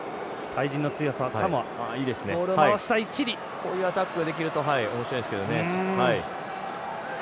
こういうアタックができるとおもしろいですけどね。